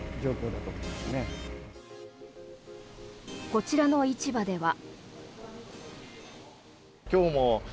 こちらの市場では。